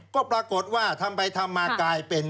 ก็ปรากฏว่าทำไปทำมากลายเป็น